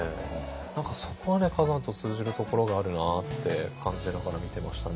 何かそこはね崋山と通じるところがあるなって感じながら見てましたね。